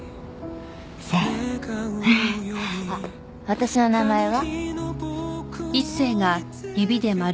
私の名前は？